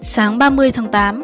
sáng ba mươi tháng tám